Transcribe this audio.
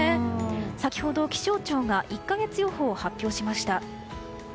先ほど気象庁が１か月予報を発表しました。